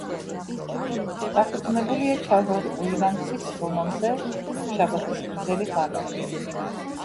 დაფუძნებულია ჩარლზ უილიამსის რომანზე შაბათის გრძელი ღამე.